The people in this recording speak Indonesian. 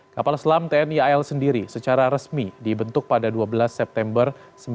kapal selam tni al sendiri secara resmi dibentuk pada dua belas september seribu sembilan ratus empat puluh